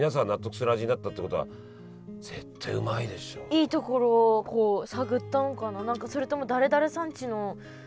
いいところをこう探ったのかな。